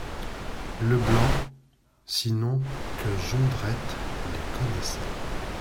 Leblanc, sinon que Jondrette les connaissait.